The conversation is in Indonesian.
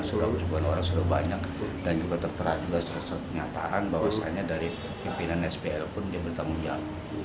sebuah sebuah orang sudah banyak dan juga tertera juga penyataan bahwasannya dari pimpinan sbl pun dia bertanggung jawab